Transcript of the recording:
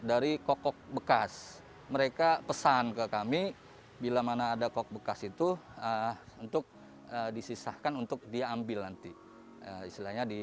akan menjadi keuntungan untuk keleo aun